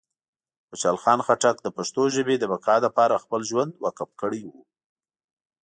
خوشحال خان خټک د پښتو ژبې د بقا لپاره خپل ژوند وقف کړی و.